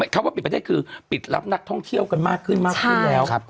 คำว่าปิดประเทศคือปิดรับนักท่องเที่ยวกันมากขึ้นมากขึ้นแล้ว